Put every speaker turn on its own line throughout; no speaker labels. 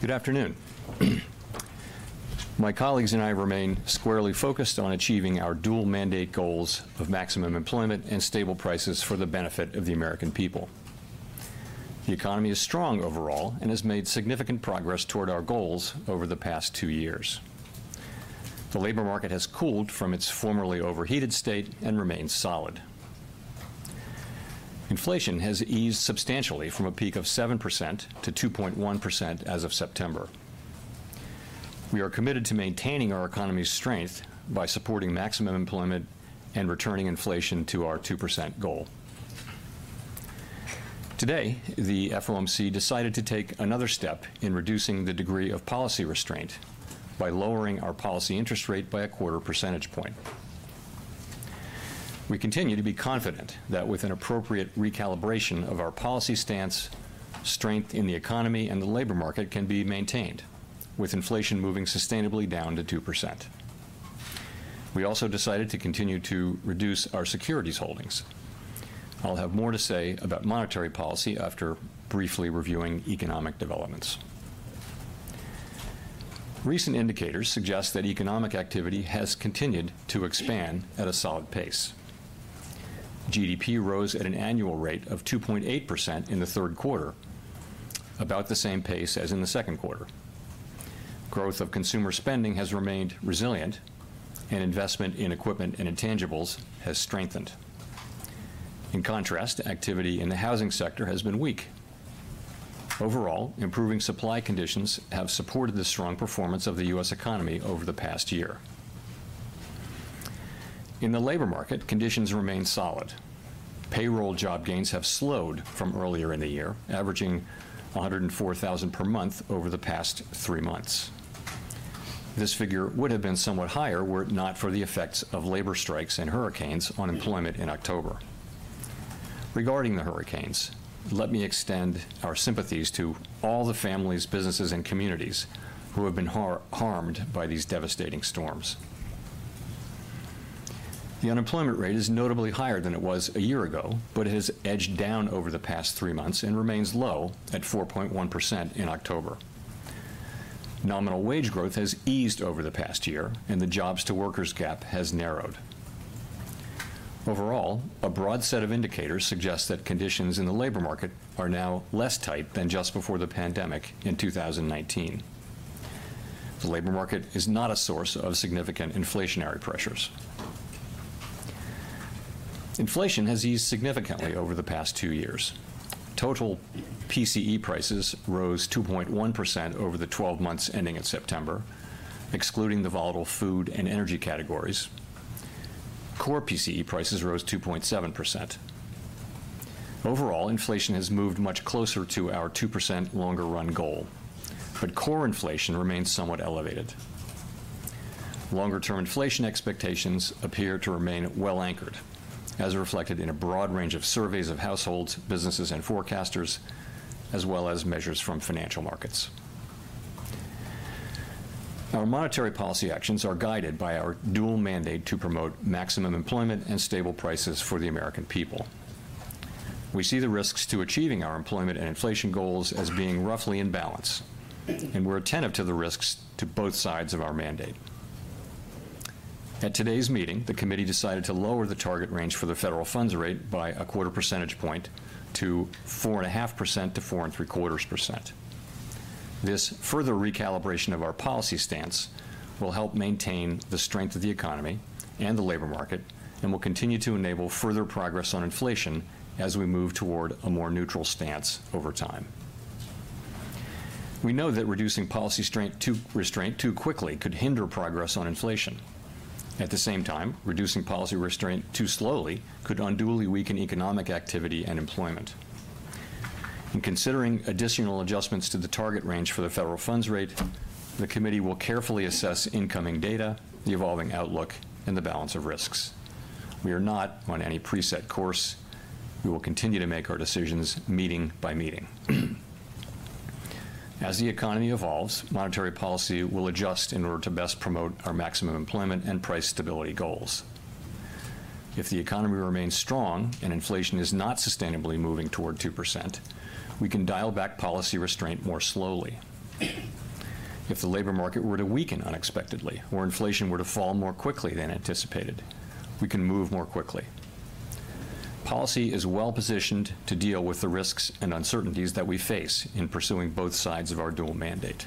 Good afternoon. My colleagues and I remain squarely focused on achieving our dual-mandate goals of maximum employment and stable prices for the benefit of the American people. The economy is strong overall and has made significant progress toward our goals over the past two years. The labor market has cooled from its formerly overheated state and remains solid. Inflation has eased substantially from a peak of 7%-2.1% as of September. We are committed to maintaining our economy's strength by supporting maximum employment and returning inflation to our 2% goal. Today, the FOMC decided to take another step in reducing the degree of policy restraint by lowering our policy interest rate by a quarter percentage point. We continue to be confident that with an appropriate recalibration of our policy stance, strength in the economy and the labor market can be maintained, with inflation moving sustainably down to 2%. We also decided to continue to reduce our securities holdings. I'll have more to say about monetary policy after briefly reviewing economic developments. Recent indicators suggest that economic activity has continued to expand at a solid pace. GDP rose at an annual rate of 2.8% in the third quarter, about the same pace as in the second quarter. Growth of consumer spending has remained resilient, and investment in equipment and intangibles has strengthened. In contrast, activity in the housing sector has been weak. Overall, improving supply conditions have supported the strong performance of the U.S. economy over the past year. In the labor market, conditions remain solid. Payroll job gains have slowed from earlier in the year, averaging 104,000 per month over the past three months. This figure would have been somewhat higher were it not for the effects of labor strikes and hurricanes on employment in October. Regarding the hurricanes, let me extend our sympathies to all the families, businesses, and communities who have been harmed by these devastating storms. The unemployment rate is notably higher than it was a year ago, but it has edged down over the past three months and remains low at 4.1% in October. Nominal wage growth has eased over the past year, and the jobs-to-workers gap has narrowed. Overall, a broad set of indicators suggests that conditions in the labor market are now less tight than just before the pandemic in 2019. The labor market is not a source of significant inflationary pressures. Inflation has eased significantly over the past two years. Total PCE prices rose 2.1% over the 12 months ending in September, excluding the volatile food and energy categories. Core PCE prices rose 2.7%. Overall, inflation has moved much closer to our 2% longer-run goal, but core inflation remains somewhat elevated. Longer-term inflation expectations appear to remain well-anchored, as reflected in a broad range of surveys of households, businesses, and forecasters, as well as measures from financial markets. Our monetary policy actions are guided by our dual-mandate to promote maximum employment and stable prices for the American people. We see the risks to achieving our employment and inflation goals as being roughly in balance, and we're attentive to the risks to both sides of our mandate. At today's meeting, the Committee decided to lower the target range for the Federal Funds Rate by a quarter percentage point to 4.5%-4.75%. This further recalibration of our policy stance will help maintain the strength of the economy and the labor market and will continue to enable further progress on inflation as we move toward a more neutral stance over time. We know that reducing policy restraint too quickly could hinder progress on inflation. At the same time, reducing policy restraint too slowly could unduly weaken economic activity and employment. In considering additional adjustments to the target range for the Federal Funds Rate, the Committee will carefully assess incoming data, the evolving outlook, and the balance of risks. We are not on any preset course. We will continue to make our decisions meeting by meeting. As the economy evolves, monetary policy will adjust in order to best promote our maximum employment and price stability goals. If the economy remains strong and inflation is not sustainably moving toward 2%, we can dial back policy restraint more slowly. If the labor market were to weaken unexpectedly or inflation were to fall more quickly than anticipated, we can move more quickly. Policy is well-positioned to deal with the risks and uncertainties that we face in pursuing both sides of our dual mandate.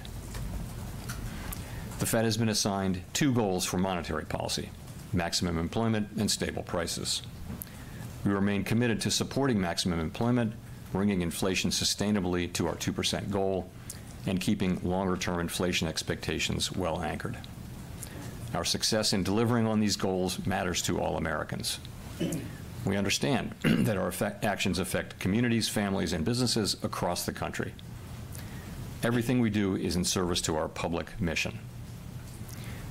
The Fed has been assigned two goals for monetary policy: maximum employment and stable prices. We remain committed to supporting maximum employment, bringing inflation sustainably to our 2% goal, and keeping longer-term inflation expectations well-anchored. Our success in delivering on these goals matters to all Americans. We understand that our actions affect communities, families, and businesses across the country. Everything we do is in service to our public mission.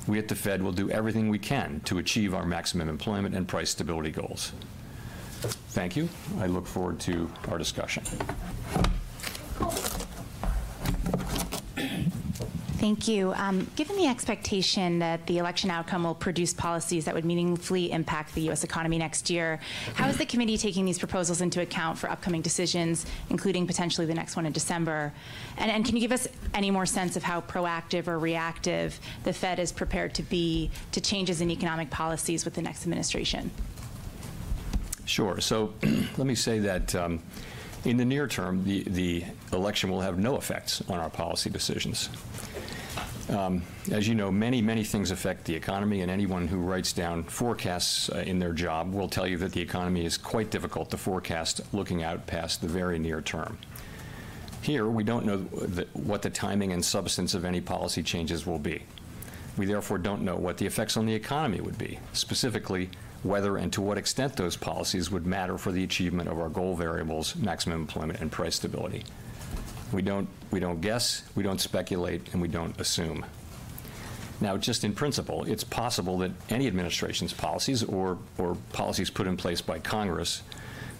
We at the Fed will do everything we can to achieve our maximum employment and price stability goals. Thank you. I look forward to our discussion.
Thank you. Given the expectation that the election outcome will produce policies that would meaningfully impact the U.S. economy next year, how is the Committee taking these proposals into account for upcoming decisions, including potentially the next one in December, and can you give us any more sense of how proactive or reactive the Fed is prepared to be to changes in economic policies with the next administration?
Sure. So let me say that in the near term, the election will have no effects on our policy decisions. As you know, many, many things affect the economy, and anyone who writes down forecasts in their job will tell you that the economy is quite difficult to forecast looking out past the very near term. Here, we don't know what the timing and substance of any policy changes will be. We, therefore, don't know what the effects on the economy would be, specifically whether and to what extent those policies would matter for the achievement of our goal variables, maximum employment and price stability. We don't guess, we don't speculate, and we don't assume. Now, just in principle, it's possible that any administration's policies or policies put in place by Congress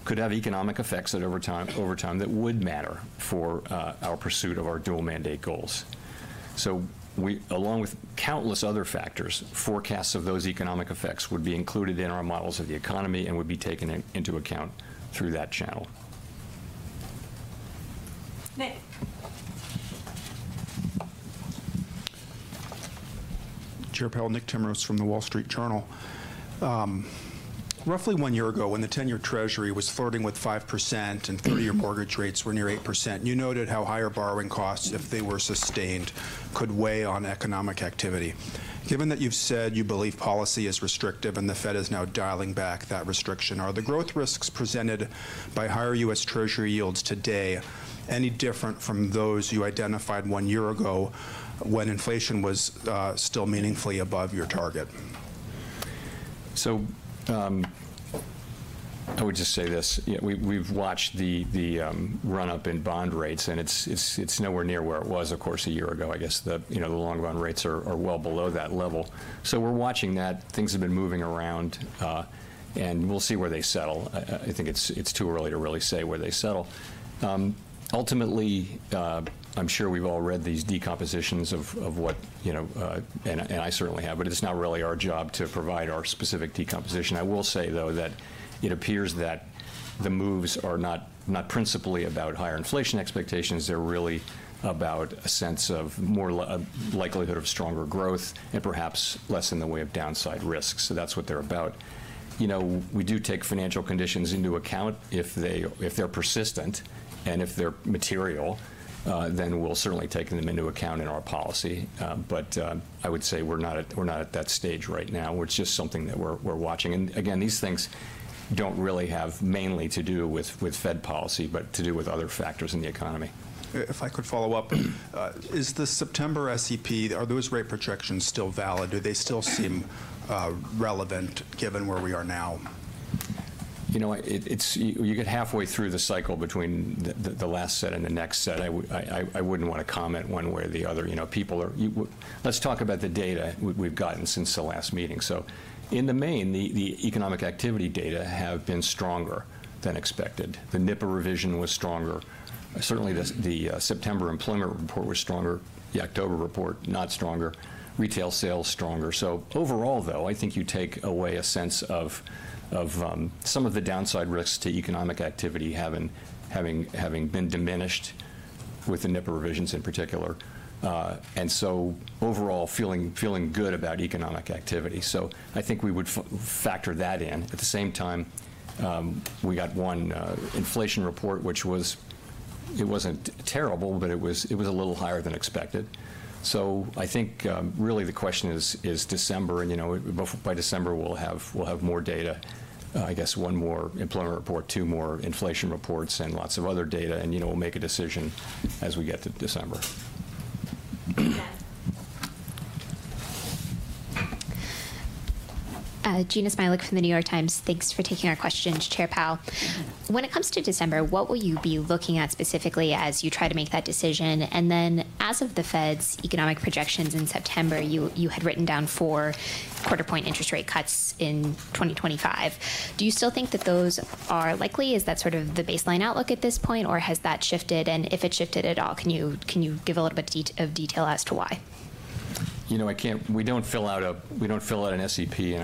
could have economic effects that, over time, would matter for our pursuit of our dual-mandate goals. So, along with countless other factors, forecasts of those economic effects would be included in our models of the economy and would be taken into account through that channel.
Nick.
Jerome Powell, Nick Timiraos from The Wall Street Journal. Roughly one year ago, when the 10-year Treasury was flirting with 5% and 30-year mortgage rates were near 8%, you noted how higher borrowing costs, if they were sustained, could weigh on economic activity. Given that you've said you believe policy is restrictive and the Fed is now dialing back that restriction, are the growth risks presented by higher U.S. Treasury yields today any different from those you identified one year ago when inflation was still meaningfully above your target?
So I would just say this: We've watched the run-up in bond rates, and it's nowhere near where it was, of course, a year ago. I guess the long-run rates are well below that level. So we're watching that. Things have been moving around, and we'll see where they settle. I think it's too early to really say where they settle. Ultimately, I'm sure we've all read these decompositions of what you know, and I certainly have, but it's not really our job to provide our specific decomposition. I will say, though, that it appears that the moves are not principally about higher inflation expectations. They're really about a sense of more likelihood of stronger growth and perhaps less in the way of downside risks. So that's what they're about. You know, we do take financial conditions into account. If they're persistent and if they're material, then we'll certainly take them into account in our policy, but I would say we're not at that stage right now. It's just something that we're watching, and, again, these things don't really have mainly to do with Fed policy, but to do with other factors in the economy.
If I could follow up, is the September SEP, are those rate projections still valid? Do they still seem relevant given where we are now?
You know, you get halfway through the cycle between the last set and the next set. I wouldn't want to comment one way or the other. You know, people are. Let's talk about the data we've gotten since the last meeting. So, in the main, the economic activity data have been stronger than expected. The NIPA revision was stronger. Certainly, the September employment report was stronger, the October report not stronger, retail sales stronger. So, overall, though, I think you take away a sense of some of the downside risks to economic activity having been diminished with the NIPA revisions in particular, and so overall feeling good about economic activity. So I think we would factor that in. At the same time, we got one inflation report which was. It wasn't terrible, but it was a little higher than expected. So I think, really, the question is December, and, you know, by December we'll have more data, I guess, one more employment report, two more inflation reports, and lots of other data, and, you know, we'll make a decision as we get to December.
Jeanna Smialek from The New York Times, thanks for taking our questions, Chair Powell. When it comes to December, what will you be looking at specifically as you try to make that decision? And then, as of the Fed's economic projections in September, you had written down four quarter-point interest rate cuts in 2025. Do you still think that those are likely? Is that sort of the baseline outlook at this point, or has that shifted? And if it shifted at all, can you give a little bit of detail as to why?
You know, we don't fill out an SEP, and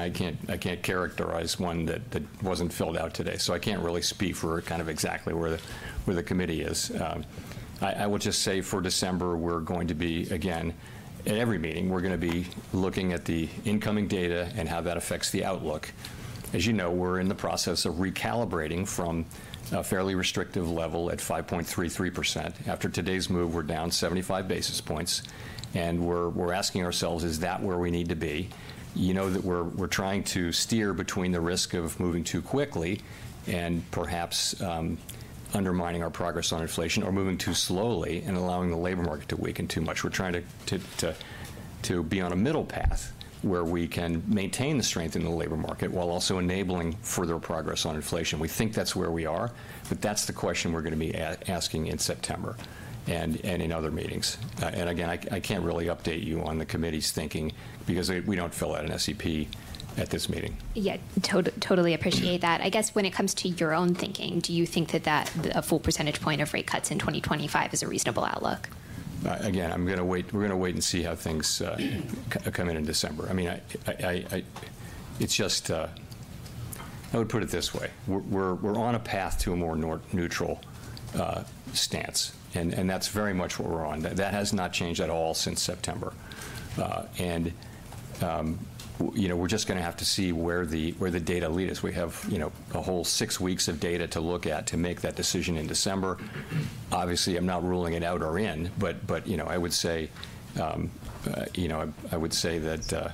I can't characterize one that wasn't filled out today. So I can't really speak for kind of exactly where the Committee is. I will just say, for December, we're going to be, again, at every meeting, we're going to be looking at the incoming data and how that affects the outlook. As you know, we're in the process of recalibrating from a fairly restrictive level at 5.33%. After today's move, we're down 75 basis points. And we're asking ourselves, is that where we need to be? You know that we're trying to steer between the risk of moving too quickly and perhaps undermining our progress on inflation, or moving too slowly and allowing the labor market to weaken too much. We're trying to be on a middle path where we can maintain the strength in the labor market while also enabling further progress on inflation. We think that's where we are, but that's the question we're going to be asking in September and in other meetings. And, again, I can't really update you on the Committee's thinking, because we don't fill out an SEP at this meeting.
Yeah, totally appreciate that. I guess, when it comes to your own thinking, do you think that a full percentage point of rate cuts in 2025 is a reasonable outlook?
Again, I'm going to wait. We're going to wait and see how things come in in December. I mean, it's just. I would put it this way: We're on a path to a more neutral stance, and that's very much what we're on. That has not changed at all since September and, you know, we're just going to have to see where the data lead us. We have, you know, a whole six weeks of data to look at to make that decision in December. Obviously, I'm not ruling it out or in, but, you know, I would say, you know, I would say that,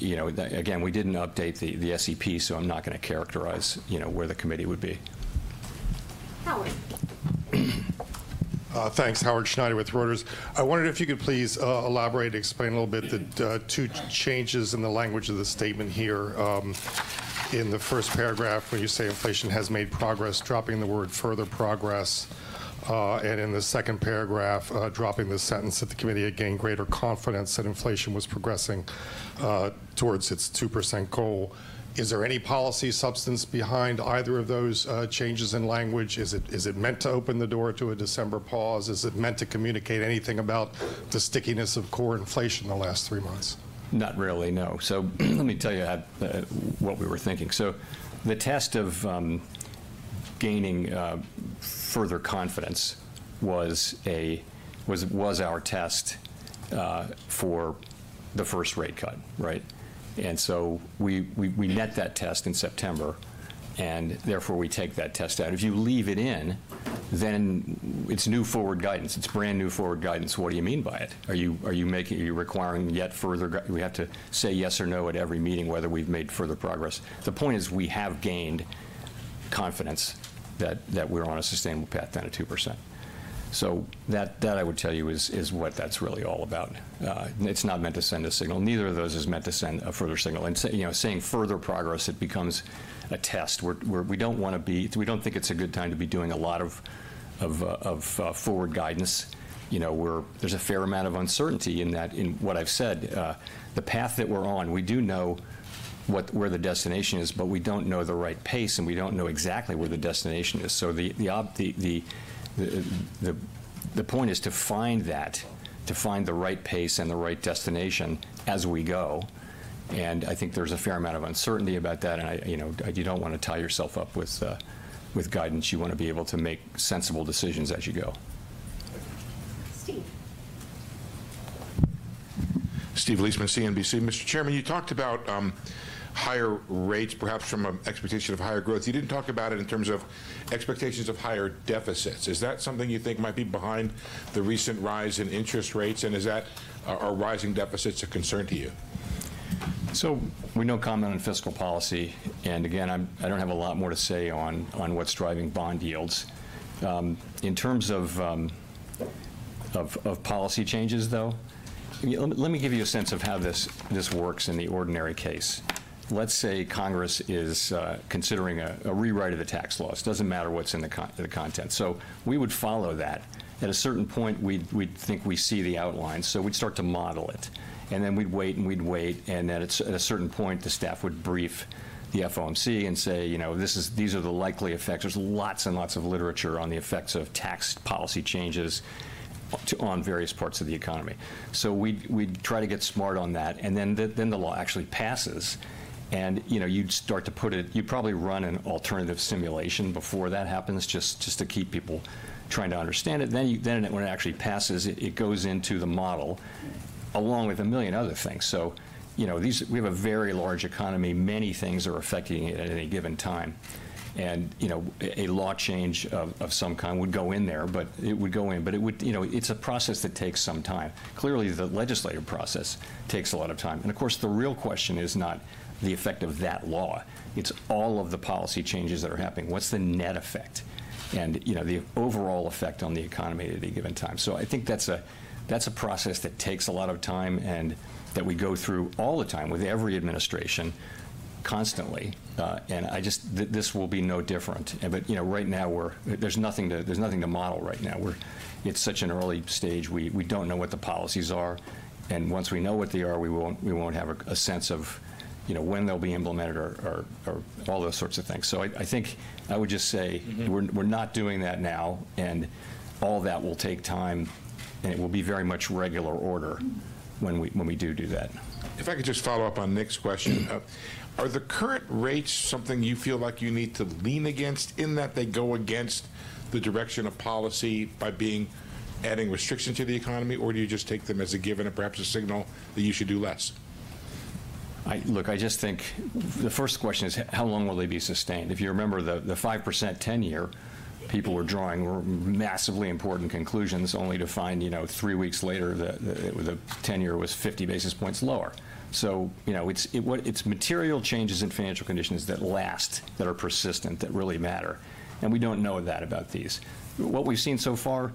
you know, again, we didn't update the SEP, so I'm not going to characterize, you know, where the Committee would be.
Thanks. Howard Schneider with Reuters. I wondered if you could please elaborate, explain a little bit the two changes in the language of the statement here. In the first paragraph, when you say inflation has made progress, dropping the word "further progress," and in the second paragraph, dropping the sentence that the Committee had gained greater confidence that inflation was progressing towards its 2% goal. Is there any policy substance behind either of those changes in language? Is it meant to open the door to a December pause? Is it meant to communicate anything about the stickiness of core inflation in the last three months?
Not really, no. So let me tell you what we were thinking. So the test of gaining further confidence was our test for the first rate cut, right? And so we met that test in September, and therefore we take that test out. If you leave it in, then it's new forward guidance. It's brand-new forward guidance. What do you mean by it? Are you making, are you requiring yet further? We have to say yes or no at every meeting whether we've made further progress. The point is, we have gained confidence that we're on a sustainable path down to 2%. So that, I would tell you, is what that's really all about. It's not meant to send a signal. Neither of those is meant to send a further signal. And, you know, saying "further progress," it becomes a test. We don't think it's a good time to be doing a lot of forward guidance. You know, there's a fair amount of uncertainty in that, in what I've said. The path that we're on, we do know where the destination is, but we don't know the right pace, and we don't know exactly where the destination is. So the point is to find that, to find the right pace and the right destination as we go. And I think there's a fair amount of uncertainty about that. And, you know, you don't want to tie yourself up with guidance. You want to be able to make sensible decisions as you go.
Steve?
Steve Liesman, CNBC. Mr. Chairman, you talked about higher rates, perhaps from an expectation of higher growth. You didn't talk about it in terms of expectations of higher deficits. Is that something you think might be behind the recent rise in interest rates, and is that, are rising deficits a concern to you?
So we won't comment on fiscal policy, and, again, I don't have a lot more to say on what's driving bond yields. In terms of policy changes, though, let me give you a sense of how this works in the ordinary case. Let's say Congress is considering a rewrite of the tax laws. It doesn't matter what's in the content. So we would follow that. At a certain point, we'd think we see the outlines. So we'd start to model it. And then we'd wait, and we'd wait, and then at a certain point, the staff would brief the FOMC and say, you know, these are the likely effects. There's lots and lots of literature on the effects of tax policy changes on various parts of the economy. So we'd try to get smart on that. Then the law actually passes, and, you know, you'd start to put it. You'd probably run an alternative simulation before that happens just to keep people trying to understand it. Then when it actually passes, it goes into the model along with a million other things. So, you know, we have a very large economy. Many things are affecting it at any given time. And, you know, a law change of some kind would go in there, but it would go in, you know, it's a process that takes some time. Clearly, the legislative process takes a lot of time. And, of course, the real question is not the effect of that law. It's all of the policy changes that are happening. What's the net effect and, you know, the overall effect on the economy at any given time? So I think that's a process that takes a lot of time and that we go through all the time with every administration constantly. And I just, this will be no different. But, you know, right now, there's nothing to model right now. We're, it's such an early stage. We don't know what the policies are. And once we know what they are, we won't have a sense of, you know, when they'll be implemented or all those sorts of things. So I think I would just say we're not doing that now, and all that will take time, and it will be very much regular order when we do do that.
If I could just follow up on Nick's question, are the current rates something you feel like you need to lean against in that they go against the direction of policy by being adding restriction to the economy, or do you just take them as a given and perhaps a signal that you should do less?
Look, I just think the first question is, how long will they be sustained? If you remember, the 5% ten-year people were drawing were massively important conclusions, only to find, you know, three weeks later, the ten-year was 50 basis points lower. So, you know, it's material changes in financial conditions that last, that are persistent, that really matter. And we don't know that about these. What we've seen so far,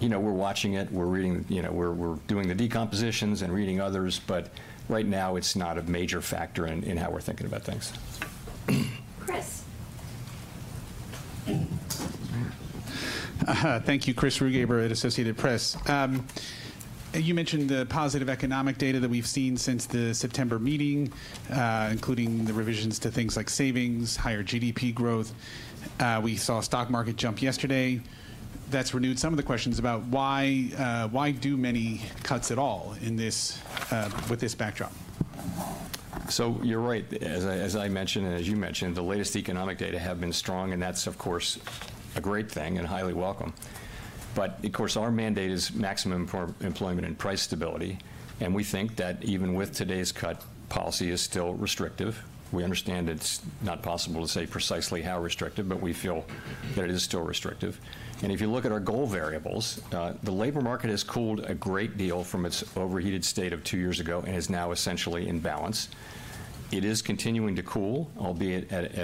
you know, we're watching it. We're reading, you know, we're doing the decompositions and reading others. But right now, it's not a major factor in how we're thinking about things.
Chris.
Thank you, Christopher Rugaber, at Associated Press. You mentioned the positive economic data that we've seen since the September meeting, including the revisions to things like savings, higher GDP growth. We saw a stock market jump yesterday. That's renewed some of the questions about why do many cuts at all in this with this backdrop?
So you're right. As I mentioned and as you mentioned, the latest economic data have been strong, and that's, of course, a great thing and highly welcome. But, of course, our mandate is maximum employment and price stability. And we think that even with today's cut, policy is still restrictive. We understand it's not possible to say precisely how restrictive, but we feel that it is still restrictive. And if you look at our goal variables, the labor market has cooled a great deal from its overheated state of two years ago and is now essentially in balance. It is continuing to cool, albeit at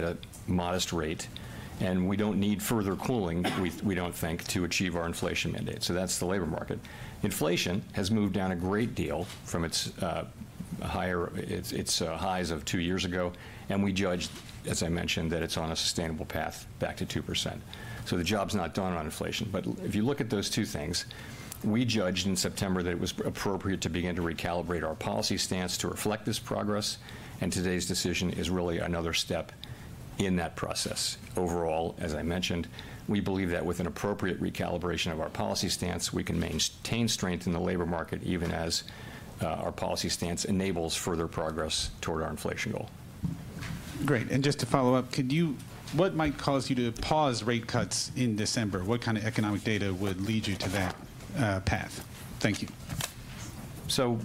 a modest rate. And we don't need further cooling, we don't think, to achieve our inflation mandate. So that's the labor market. Inflation has moved down a great deal from its higher highs of two years ago. We judged, as I mentioned, that it's on a sustainable path back to 2%. The job's not done on inflation. If you look at those two things, we judged in September that it was appropriate to begin to recalibrate our policy stance to reflect this progress. Today's decision is really another step in that process. Overall, as I mentioned, we believe that with an appropriate recalibration of our policy stance, we can maintain strength in the labor market even as our policy stance enables further progress toward our inflation goal.
Great. And just to follow up, what might cause you to pause rate cuts in December? What kind of economic data would lead you to that path? Thank you.
So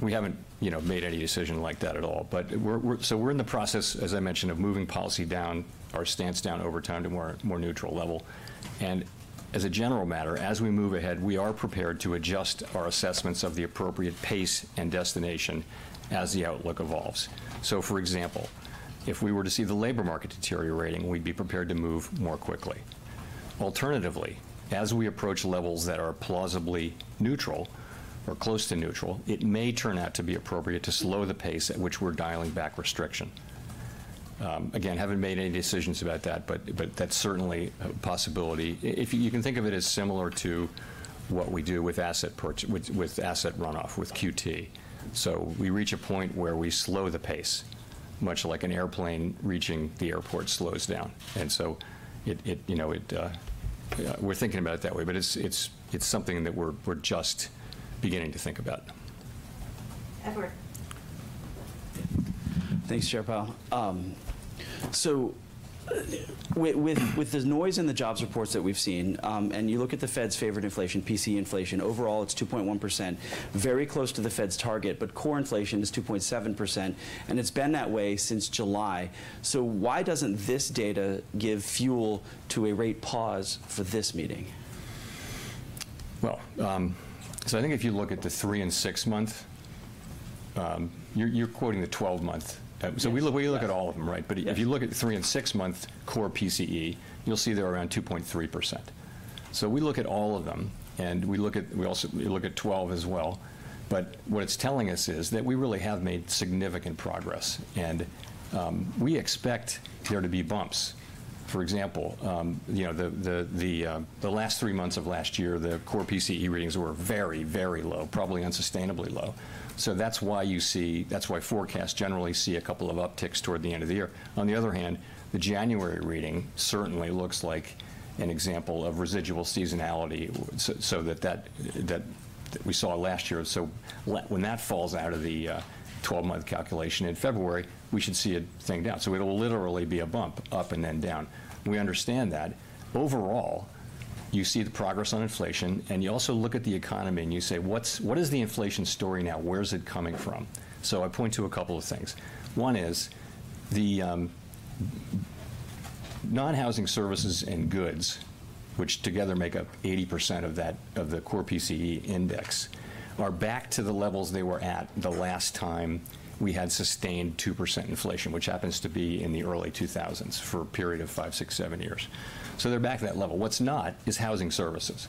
we haven't, you know, made any decision like that at all. But we're, so we're in the process, as I mentioned, of moving policy down, our stance down over time to a more neutral level. And as a general matter, as we move ahead, we are prepared to adjust our assessments of the appropriate pace and destination as the outlook evolves. So, for example, if we were to see the labor market deteriorating, we'd be prepared to move more quickly. Alternatively, as we approach levels that are plausibly neutral or close to neutral, it may turn out to be appropriate to slow the pace at which we're dialing back restriction. Again, haven't made any decisions about that, but that's certainly a possibility. You can think of it as similar to what we do with asset runoff, with QT. So we reach a point where we slow the pace, much like an airplane reaching the airport slows down. And so it, you know, we're thinking about it that way. But it's something that we're just beginning to think about.
Edward. Thanks, Chair Powell. So with the noise in the jobs reports that we've seen, and you look at the Fed's favorite inflation, PCE inflation, overall it's 2.1%, very close to the Fed's target, but core inflation is 2.7%. And it's been that way since July. So why doesn't this data give fuel to a rate pause for this meeting?
I think if you look at the three- and six-month, you're quoting the 12-month. We look at all of them, right? If you look at the three- and six-month core PCE, you'll see they're around 2.3%. We look at all of them, and we also look at 12 as well. What it's telling us is that we really have made significant progress. We expect there to be bumps. For example, you know, the last three months of last year, the core PCE readings were very, very low, probably unsustainably low. That's why you see forecasts generally see a couple of upticks toward the end of the year. On the other hand, the January reading certainly looks like an example of residual seasonality that we saw last year. When that falls out of the 12-month calculation in February, we should see it swing down. So it will literally be a bump up and then down. We understand that. Overall, you see the progress on inflation, and you also look at the economy and you say, what is the inflation story now? Where is it coming from? So I point to a couple of things. One is the non-housing services and goods, which together make up 80% of the core PCE index, are back to the levels they were at the last time we had sustained 2% inflation, which happens to be in the early 2000s for a period of five, six, seven years. So they're back to that level. What's not is housing services.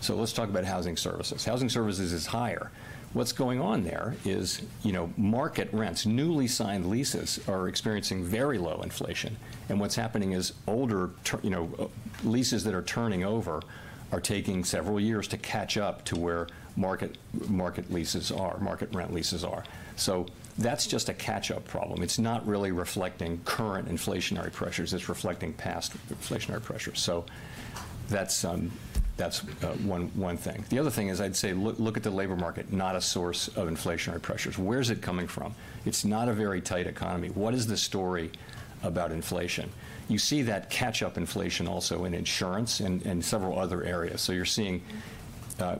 So let's talk about housing services. Housing services is higher. What's going on there is, you know, market rents, newly signed leases are experiencing very low inflation, and what's happening is older, you know, leases that are turning over are taking several years to catch up to where market leases are, market rent leases are, so that's just a catch-up problem. It's not really reflecting current inflationary pressures. It's reflecting past inflationary pressures, so that's one thing. The other thing is, I'd say, look at the labor market, not a source of inflationary pressures. Where is it coming from? It's not a very tight economy. What is the story about inflation? You see that catch-up inflation also in insurance and several other areas. So you're seeing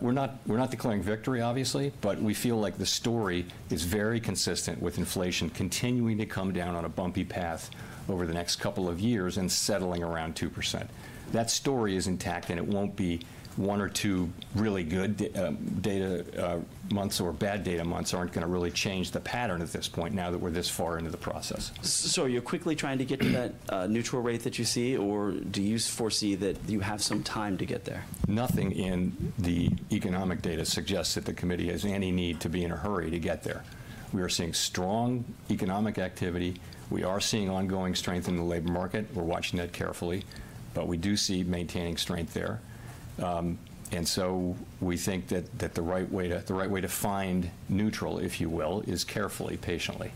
we're not declaring victory, obviously, but we feel like the story is very consistent with inflation continuing to come down on a bumpy path over the next couple of years and settling around 2%. That story is intact, and it won't be one or two really good data months or bad data months aren't going to really change the pattern at this point now that we're this far into the process.
So are you quickly trying to get to that neutral rate that you see, or do you foresee that you have some time to get there?
Nothing in the economic data suggests that the committee has any need to be in a hurry to get there. We are seeing strong economic activity. We are seeing ongoing strength in the labor market. We're watching that carefully. But we do see maintaining strength there. And so we think that the right way to find neutral, if you will, is carefully, patiently.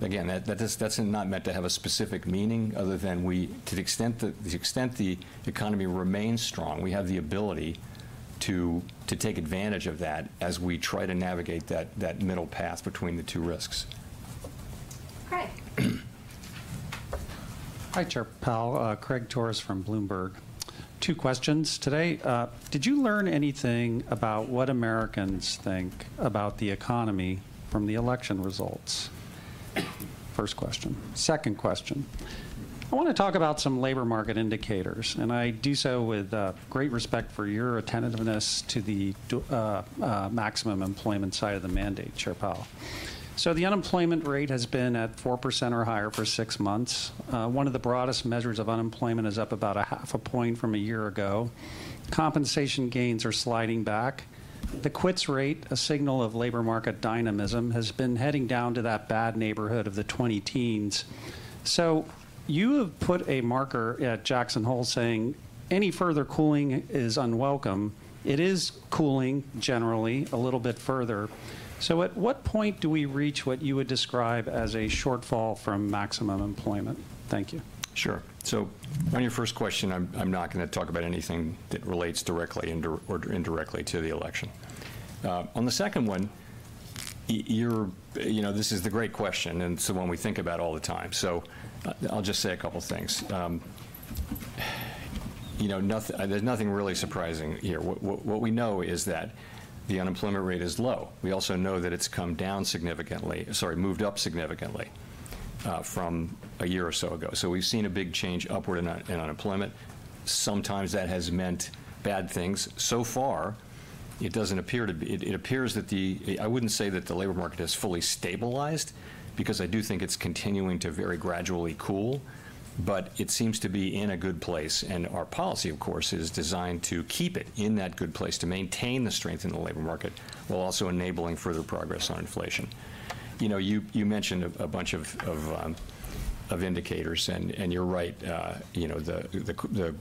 Again, that's not meant to have a specific meaning other than we, to the extent the economy remains strong, we have the ability to take advantage of that as we try to navigate that middle path between the two risks.
Craig.
Hi, Chair Powell. Craig Torres from Bloomberg. Two questions today. Did you learn anything about what Americans think about the economy from the election results? First question. Second question. I want to talk about some labor market indicators. And I do so with great respect for your attentiveness to the maximum employment side of the mandate, Chair Powell. So the unemployment rate has been at 4% or higher for six months. One of the broadest measures of unemployment is up about a half a point from a year ago. Compensation gains are sliding back. The quits rate, a signal of labor market dynamism, has been heading down to that bad neighborhood of the 20 teens. So you have put a marker at Jackson Hole saying, any further cooling is unwelcome. It is cooling generally a little bit further. So at what point do we reach what you would describe as a shortfall from maximum employment? Thank you.
Sure. So on your first question, I'm not going to talk about anything that relates directly or indirectly to the election. On the second one, you're, you know, this is the great question, and it's the one we think about all the time. So I'll just say a couple of things. You know, there's nothing really surprising here. What we know is that the unemployment rate is low. We also know that it's come down significantly, sorry, moved up significantly from a year or so ago. So we've seen a big change upward in unemployment. Sometimes that has meant bad things. So far, it doesn't appear to be. It appears that the—I wouldn't say that the labor market has fully stabilized, because I do think it's continuing to very gradually cool. But it seems to be in a good place. Our policy, of course, is designed to keep it in that good place, to maintain the strength in the labor market while also enabling further progress on inflation. You know, you mentioned a bunch of indicators. And you're right. You know, the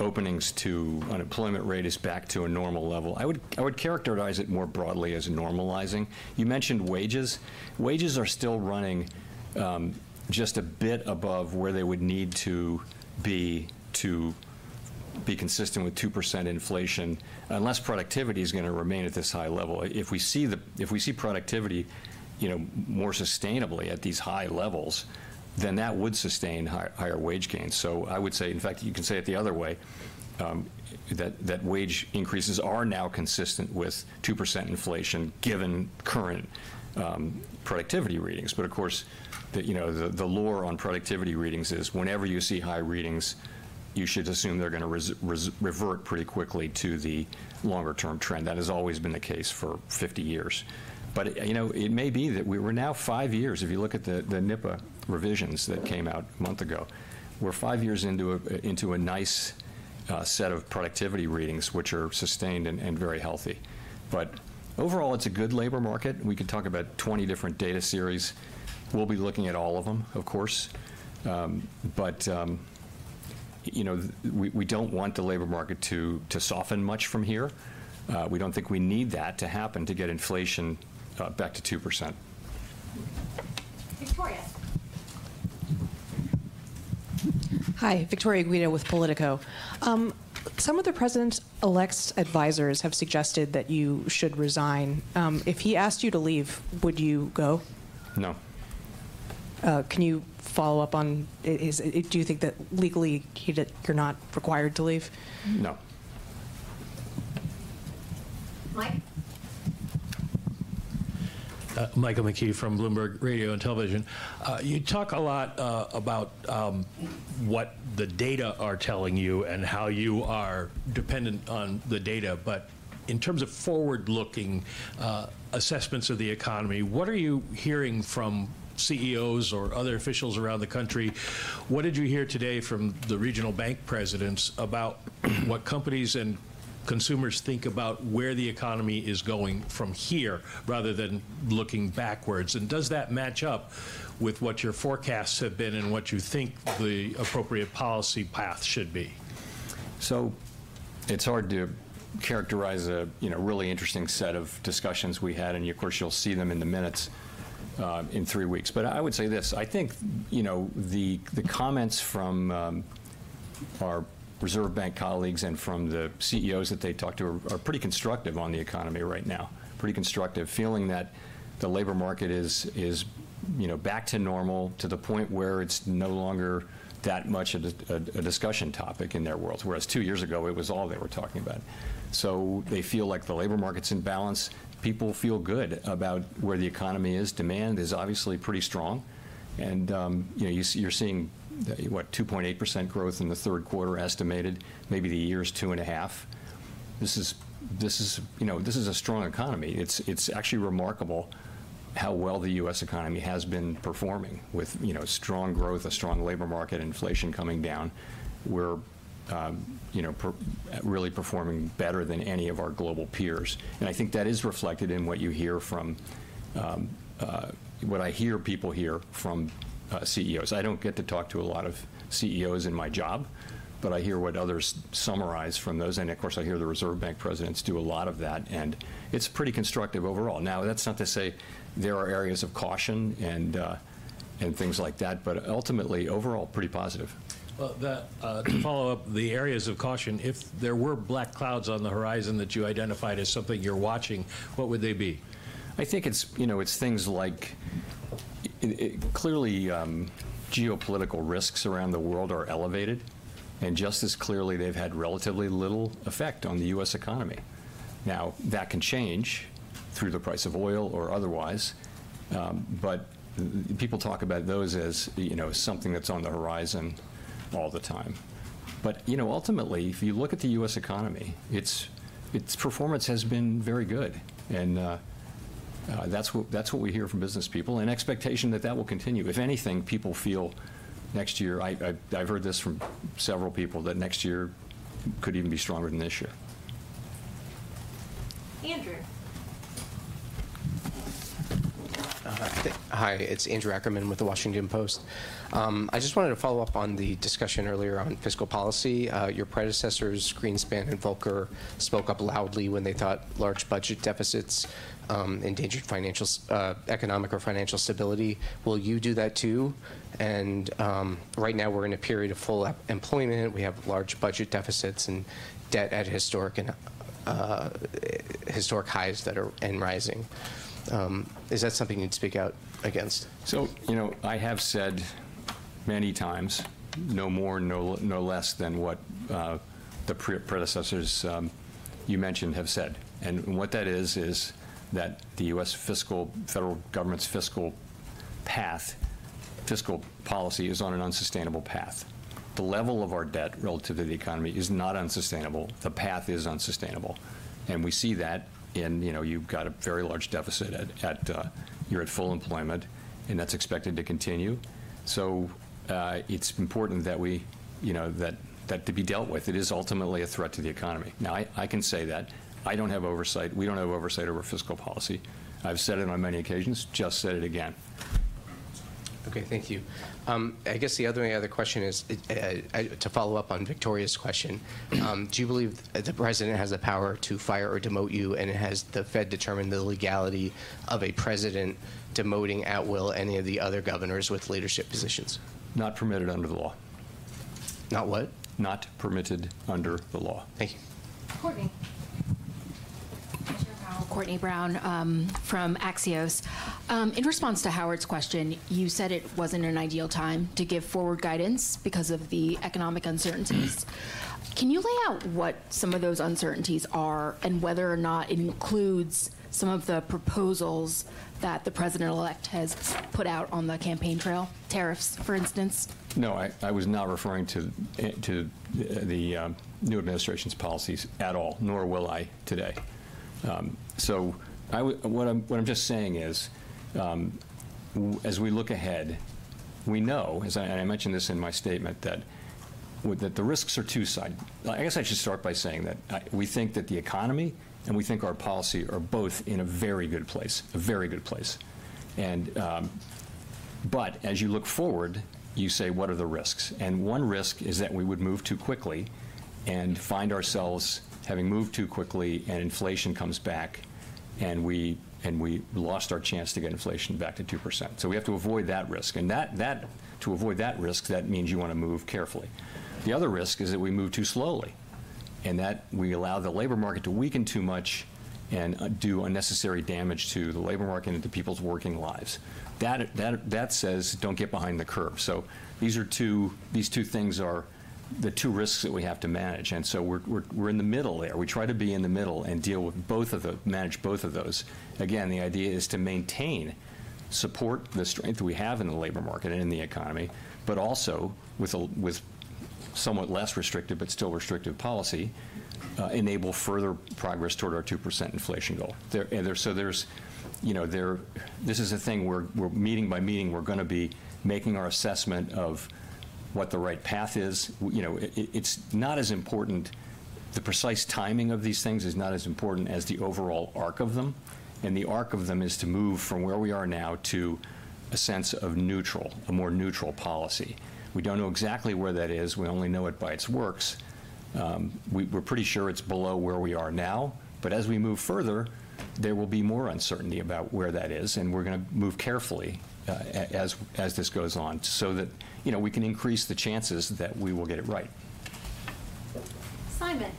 openings to unemployment rate is back to a normal level. I would characterize it more broadly as normalizing. You mentioned wages. Wages are still running just a bit above where they would need to be to be consistent with 2% inflation unless productivity is going to remain at this high level. If we see productivity, you know, more sustainably at these high levels, then that would sustain higher wage gains. So I would say, in fact, you can say it the other way, that wage increases are now consistent with 2% inflation given current productivity readings. Of course, you know, the rule on productivity readings is whenever you see high readings, you should assume they're going to revert pretty quickly to the longer-term trend. That has always been the case for 50 years. You know, it may be that we're now five years, if you look at the NIPA revisions that came out a month ago, we're five years into a nice set of productivity readings, which are sustained and very healthy. Overall, it's a good labor market. We could talk about 20 different data series. We'll be looking at all of them, of course. You know, we don't want the labor market to soften much from here. We don't think we need that to happen to get inflation back to 2%.
Victoria.
Hi, Victoria Guida with Politico. Some of the president-elect's advisors have suggested that you should resign. If he asked you to leave, would you go?
No.
Can you follow up on this: do you think that legally you're not required to leave?
No.
Mike?
Michael McKee from Bloomberg Radio and Television. You talk a lot about what the data are telling you and how you are dependent on the data. But in terms of forward-looking assessments of the economy, what are you hearing from CEOs or other officials around the country? What did you hear today from the regional bank presidents about what companies and consumers think about where the economy is going from here rather than looking backwards? And does that match up with what your forecasts have been and what you think the appropriate policy path should be?
It's hard to characterize a, you know, really interesting set of discussions we had. Of course, you'll see them in the minutes in three weeks. I would say this: I think, you know, the comments from our Reserve Bank colleagues and from the CEOs that they talked to are pretty constructive on the economy right now, pretty constructive, feeling that the labor market is, you know, back to normal to the point where it's no longer that much of a discussion topic in their world, whereas two years ago it was all they were talking about. They feel like the labor market's in balance. People feel good about where the economy is. Demand is obviously pretty strong. And, you know, you're seeing, what, 2.8% growth in the third quarter estimated, maybe the year's two and a half. This is, you know, this is a strong economy. It's actually remarkable how well the U.S. economy has been performing with, you know, strong growth, a strong labor market, inflation coming down. We're, you know, really performing better than any of our global peers, and I think that is reflected in what you hear from what I hear people hear from CEOs. I don't get to talk to a lot of CEOs in my job, but I hear what others summarize from those. And, of course, I hear the Reserve Bank presidents do a lot of that, and it's pretty constructive overall. Now, that's not to say there are areas of caution and things like that, but ultimately, overall, pretty positive.
To follow up the areas of caution, if there were black clouds on the horizon that you identified as something you're watching, what would they be?
I think it's, you know, it's things like clearly geopolitical risks around the world are elevated, and just as clearly they've had relatively little effect on the U.S. economy. Now, that can change through the price of oil or otherwise. But people talk about those as, you know, something that's on the horizon all the time. But, you know, ultimately, if you look at the U.S. economy, its performance has been very good. And that's what we hear from business people, an expectation that that will continue. If anything, people feel next year, I've heard this from several people, that next year could even be stronger than this year.
Andrew.
Hi, it's Andrew Ackerman with The Washington Post. I just wanted to follow up on the discussion earlier on fiscal policy. Your predecessors, Greenspan and Volcker, spoke up loudly when they thought large budget deficits endangered financial economic or financial stability. Will you do that too? And right now we're in a period of full employment. We have large budget deficits and debt at historic highs that are rising. Is that something you'd speak out against?
So, you know, I have said many times no more, no less than what the predecessors you mentioned have said. And what that is, is that the U.S. federal government's fiscal path, fiscal policy is on an unsustainable path. The level of our debt relative to the economy is not unsustainable. The path is unsustainable. And we see that in, you know, you've got a very large deficit that you're at full employment, and that's expected to continue. So it's important that we, you know, that it be dealt with. It is ultimately a threat to the economy. Now, I can say that. I don't have oversight. We don't have oversight over fiscal policy. I've said it on many occasions. Just said it again.
Okay. Thank you. I guess the other question is to follow up on Victoria's question. Do you believe the President has the power to fire or demote you, and has the Fed determined the legality of a President demoting at will any of the other governors with leadership positions?
Not permitted under the law.
Not what?
Not permitted under the law.
Thank you.
Courtenay.
Courtenay Brown from Axios. In response to Howard's question, you said it wasn't an ideal time to give forward guidance because of the economic uncertainties. Can you lay out what some of those uncertainties are and whether or not it includes some of the proposals that the president-elect has put out on the campaign trail, tariffs, for instance?
No, I was not referring to the new administration's policies at all, nor will I today. So what I'm just saying is, as we look ahead, we know, and I mentioned this in my statement, that the risks are two-sided. I guess I should start by saying that we think that the economy and we think our policy are both in a very good place, a very good place. And but as you look forward, you say, what are the risks? And one risk is that we would move too quickly and find ourselves having moved too quickly, and inflation comes back, and we lost our chance to get inflation back to 2%. So we have to avoid that risk. And to avoid that risk, that means you want to move carefully. The other risk is that we move too slowly and that we allow the labor market to weaken too much and do unnecessary damage to the labor market and to people's working lives. That says, don't get behind the curve. So these two things are the two risks that we have to manage. And so we're in the middle there. We try to be in the middle and deal with both, manage both of those. Again, the idea is to maintain, support the strength we have in the labor market and in the economy, but also with somewhat less restrictive but still restrictive policy, enable further progress toward our 2% inflation goal. So there's, you know, this is a thing where we're meeting by meeting, we're going to be making our assessment of what the right path is. You know, it's not as important the precise timing of these things as the overall arc of them, and the arc of them is to move from where we are now to a sense of neutral, a more neutral policy. We don't know exactly where that is. We only know it by its works. We're pretty sure it's below where we are now, but as we move further, there will be more uncertainty about where that is, and we're going to move carefully as this goes on so that, you know, we can increase the chances that we will get it right.
Simon.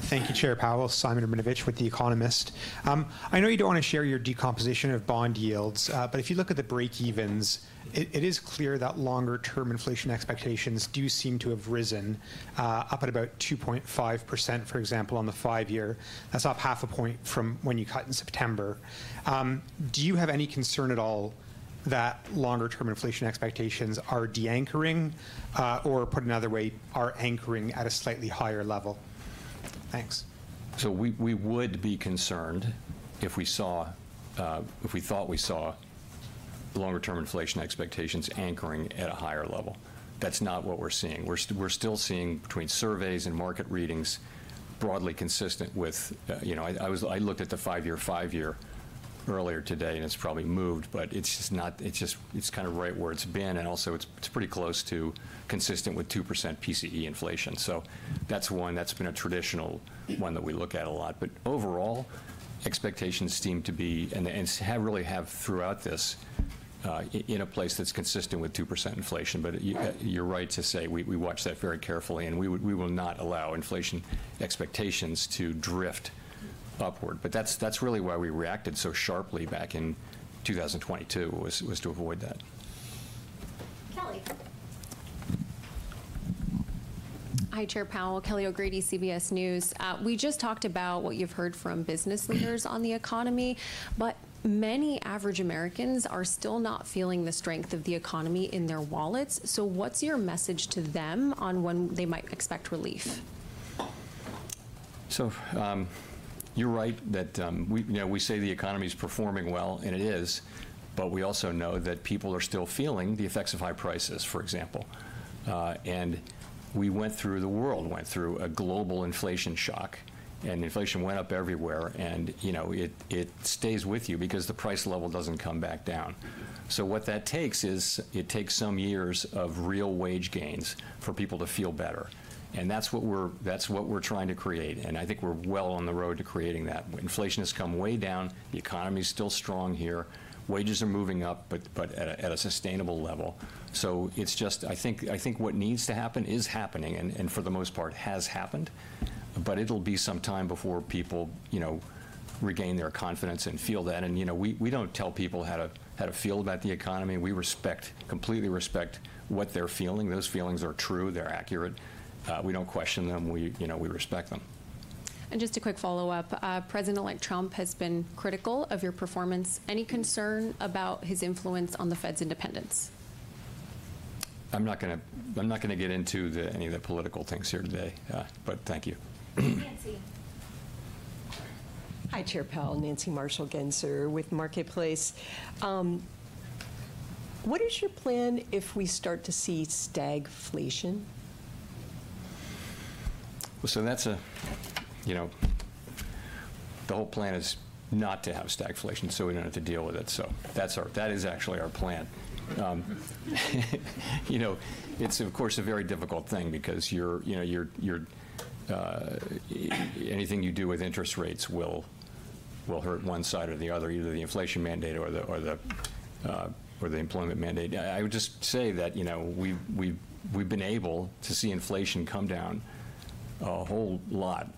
Thank you, Chair Powell. Simon Rabinovitch with The Economist. I know you don't want to share your decomposition of bond yields, but if you look at the breakevens, it is clear that longer-term inflation expectations do seem to have risen up at about 2.5%, for example, on the five-year. That's up half a point from when you cut in September. Do you have any concern at all that longer-term inflation expectations are deanchoring or, put another way, are anchoring at a slightly higher level? Thanks.
So we would be concerned if we thought we saw longer-term inflation expectations anchoring at a higher level. That's not what we're seeing. We're still seeing between surveys and market readings broadly consistent with, you know, I looked at the five-year five-year earlier today, and it's probably moved, but it's just kind of right where it's been. And also, it's pretty close to consistent with 2% PCE inflation. So that's one that's been a traditional one that we look at a lot. But overall, expectations seem to be and really have throughout this in a place that's consistent with 2% inflation. But you're right to say we watch that very carefully, and we will not allow inflation expectations to drift upward. But that's really why we reacted so sharply back in 2022 was to avoid that.
Kelly.
Hi, Chair Powell. Kelly O'Grady, CBS News. We just talked about what you've heard from business leaders on the economy. But many average Americans are still not feeling the strength of the economy in their wallets. So what's your message to them on when they might expect relief?
So you're right that, you know, we say the economy is performing well, and it is. But we also know that people are still feeling the effects of high prices, for example. And the world went through a global inflation shock, and inflation went up everywhere. And, you know, it stays with you because the price level doesn't come back down. So what that takes is it takes some years of real wage gains for people to feel better. And that's what we're trying to create. And I think we're well on the road to creating that. Inflation has come way down. The economy is still strong here. Wages are moving up, but at a sustainable level. So it's just I think what needs to happen is happening and for the most part has happened. But it'll be some time before people, you know, regain their confidence and feel that. And, you know, we don't tell people how to feel about the economy. We respect, completely respect what they're feeling. Those feelings are true. They're accurate. We don't question them. We, you know, we respect them.
Just a quick follow-up. President-elect Trump has been critical of your performance. Any concern about his influence on the Fed's independence?
I'm not going to get into any of the political things here today, but thank you.
Hi, Chair Powell. Nancy Marshall, again, sir with Marketplace. What is your plan if we start to see stagflation?
Well, so that's a, you know, the whole plan is not to have stagflation, so we don't have to deal with it. So that's our plan. That is actually our plan. You know, it's, of course, a very difficult thing because, you know, anything you do with interest rates will hurt one side or the other, either the inflation mandate or the employment mandate. I would just say that, you know, we've been able to see inflation come down a whole lot,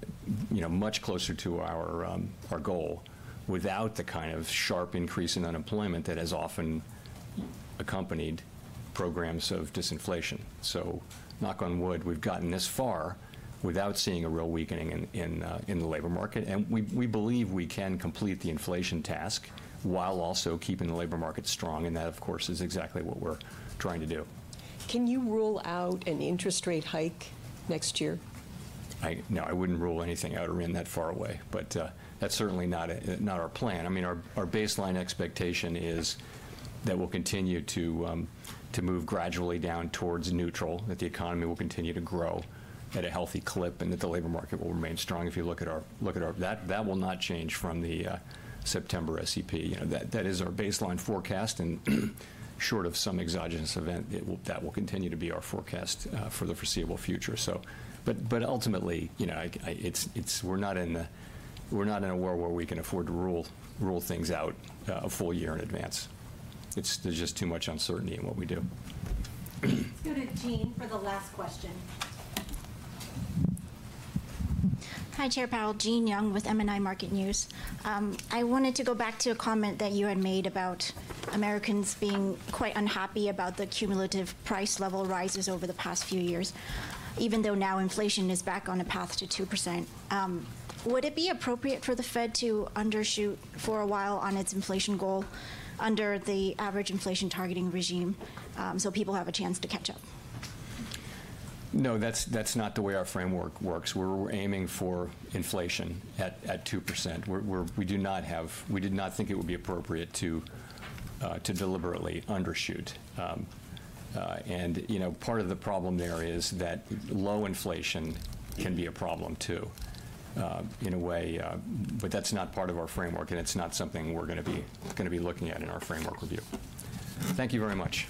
you know, much closer to our goal without the kind of sharp increase in unemployment that has often accompanied programs of disinflation. So knock on wood, we've gotten this far without seeing a real weakening in the labor market. And we believe we can complete the inflation task while also keeping the labor market strong. That, of course, is exactly what we're trying to do. Can you rule out an interest rate hike next year? No, I wouldn't rule anything out or anything that far away. But that's certainly not our plan. I mean, our baseline expectation is that we'll continue to move gradually down towards neutral, that the economy will continue to grow at a healthy clip and that the labor market will remain strong. If you look at ours, that will not change from the September SEP. You know, that is our baseline forecast. And short of some exogenous event, that will continue to be our forecast for the foreseeable future. But ultimately, you know, it's. We're not in a world where we can afford to rule things out a full year in advance. It's just too much uncertainty in what we do.
Go to Jean for the last question.
Hi, Chair Powell. Jean Yung with MNI Market News. I wanted to go back to a comment that you had made about Americans being quite unhappy about the cumulative price level rises over the past few years, even though now inflation is back on a path to 2%. Would it be appropriate for the Fed to undershoot for a while on its inflation goal under the average inflation targeting regime so people have a chance to catch up?
No, that's not the way our framework works. We're aiming for inflation at 2%. We did not think it would be appropriate to deliberately undershoot. And, you know, part of the problem there is that low inflation can be a problem too in a way. But that's not part of our framework, and it's not something we're going to be looking at in our framework review. Thank you very much.